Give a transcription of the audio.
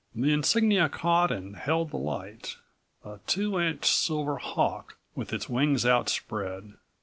The insignia caught and held the light, a two inch silver hawk with its wings outspread.